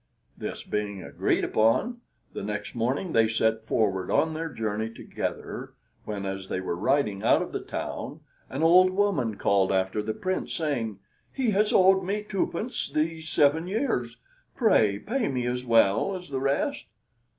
This being agreed upon, the next morning they set forward on their journey together, when, as they were riding out of the town, an old woman called after the Prince, saying, "He has owed me twopence these seven years; pray pay me as well as the rest."